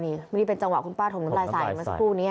นี่ไม่ได้เป็นจังหวะคุณป้าถมน้ำรายสายมาสักครู่เนี้ย